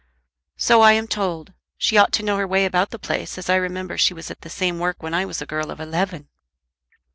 "So I am told. She ought to know her way about the place, as I remember she was at the same work when I was a girl of eleven."